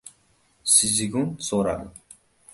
Szigun so‘radi: